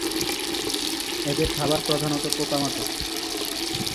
এদের খাবার প্রধানত পোকামাকড়।